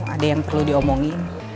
ada yang perlu diomongin